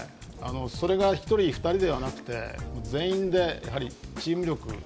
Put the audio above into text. それが１人、２人ではなくて全員でチーム力。